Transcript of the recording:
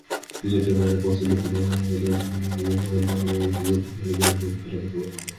ক্রিকেটের বাইরে পছন্দের খেলাফুটবল অনেক জনপ্রিয় হলেও ক্রিকেটের বাইরে ব্যাডমিন্টন খেলা বেশি পছন্দ।